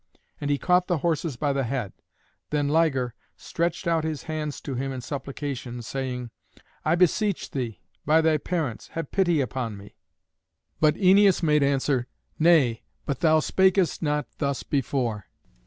And he caught the horses by the head. Then Liger stretched out his hands to him in supplication, saying, "I beseech thee, by thy parents, have pity upon me." But Æneas made answer, "Nay, but thou spakest not thus before.